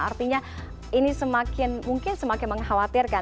artinya ini semakin mungkin semakin mengkhawatirkan